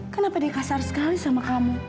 kenapa dia kasar sekali sama kamu